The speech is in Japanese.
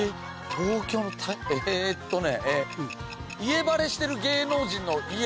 東京のえっとね。